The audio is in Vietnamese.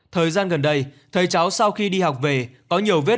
thời gian gần đây thầy cháu sau khi đi học về